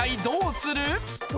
どうする？